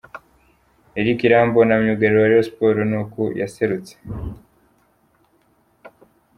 Eric Irambona myugariro wa Rayon Sport ni uku yaserutse.